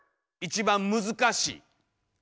一番難しい。